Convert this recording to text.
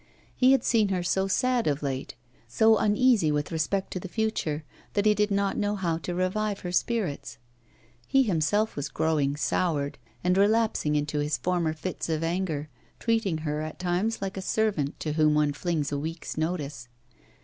He had seen her so sad of late, so uneasy with respect to the future, that he did not know how to revive her spirits. He himself was growing soured, and relapsing into his former fits of anger, treating her, at times, like a servant, to whom one flings a week's notice.